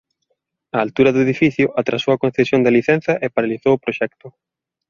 A altura do edificio atrasou a concesión da licenza e paralizou o proxecto.